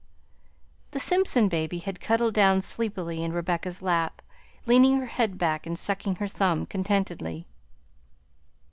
The Simpson baby had cuddled down sleepily in Rebecca's lap, leaning her head back and sucking her thumb contentedly.